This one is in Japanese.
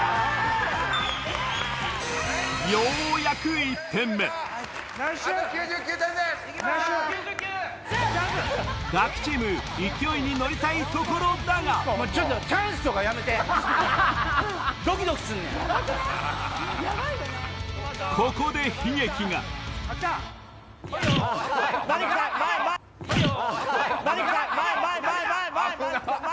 ようやく１点目ガキチーム勢いに乗りたいところだがここで悲劇が前前前！